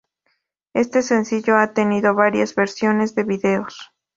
Este sencillo ha tenido varias versiones de videos.